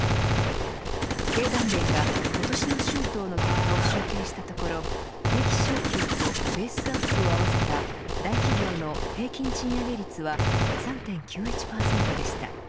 経団連が今年の春闘の結果を集計したところ定期昇給とベースアップを合わせた大企業の平均賃上げ率は３．９１％でした。